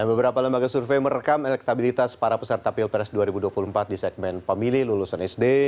dan beberapa lembaga survei merekam elektabilitas para peserta plprs dua ribu dua puluh empat di segmen pemilih lulusan sd